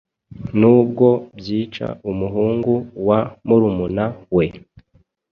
Nubwo byica umuhungu wa murumuna we